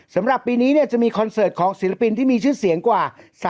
สำหรับปีนี้จะมีคอนเสิร์ตของศิลปินที่มีชื่อเสียงกว่า